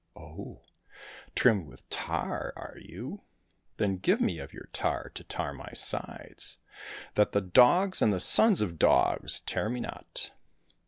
—*' Oh ! trimmed with tar, are you ? Then give me of your tar to tar my sides, that the dogs and the sons of dogs tear me not